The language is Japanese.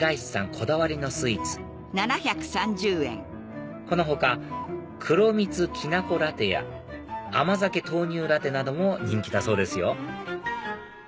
こだわりのスイーツこの他黒蜜きな粉ラテや甘酒豆乳ラテなども人気だそうですよ